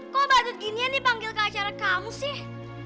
kok pak dudginian dipanggil ke acara kamu seh